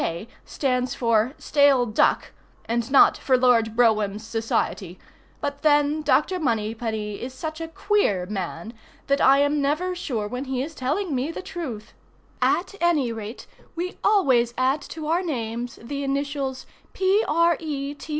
K. stands for Stale Duck and not for Lord Brougham's society—but then Dr. Moneypenny is such a queer man that I am never sure when he is telling me the truth. At any rate we always add to our names the initials P. R. E.